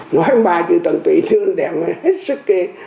nói ba chữ tận tụy thương đẹp hết sức